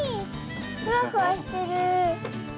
ふわふわしてる。